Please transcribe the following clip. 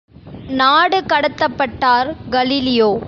நாடு கடத்தப்பட்டார் கலீலியோ!